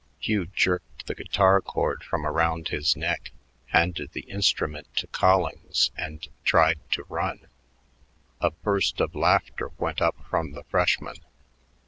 Hugh jerked the guitar cord from around his neck, banded the instrument to Collings, and tried to run. A burst of laughter went up from the freshmen.